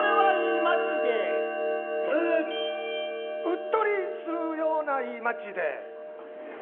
うっとりするようないい街で。